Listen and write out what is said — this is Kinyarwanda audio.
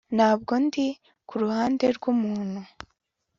Ntabwo ndi ku ruhande rwumuntu